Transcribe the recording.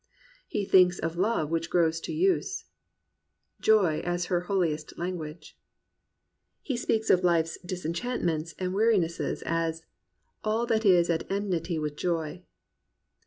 He thinks of love which grows to use " Joy as her holiest language, 202 THE RECOVERY OF JOY He speaks of life's disenchantments and wearinesses as " All that is at enmity with joy.